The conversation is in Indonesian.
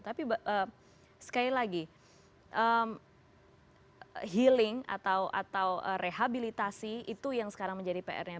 tapi sekali lagi healing atau rehabilitasi itu yang sekarang menjadi pr nya